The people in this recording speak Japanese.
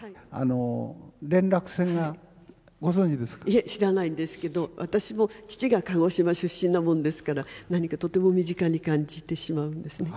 いえ知らないんですけど私も父が鹿児島出身なもんですから何かとても身近に感じてしまうんですね。